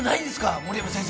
森山先生！